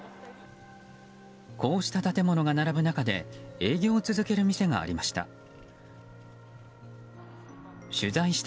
こうした建物が並ぶ中で営業を続ける店がありました。